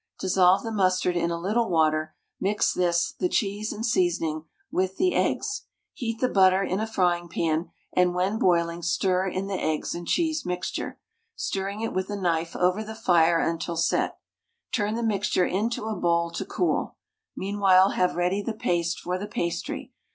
Dissolve the mustard in a little water; mix this, the cheese and seasoning with the eggs. Heat the butter in a frying pan, and when boiling stir in the eggs and cheese mixture, stirring it with a knife over the fire until set. Turn the mixture into a bowl to cool. Meanwhile have ready the paste for the pastry.